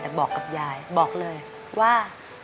แต่บอกกับยายบอกเลยว่า